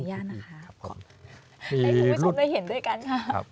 ขออนุญาตนะคะให้คุณผู้ชมได้เห็นด้วยกันค่ะ